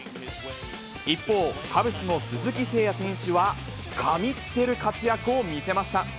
一方、カブスの鈴木誠也選手は、神ってる活躍を見せました。